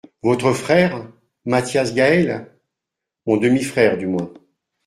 —Votre frère ?… Mathias Gaël ? —Mon demi-frère, du moins.